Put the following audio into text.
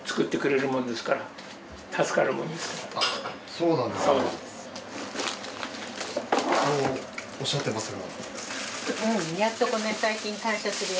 そうおっしゃってますが。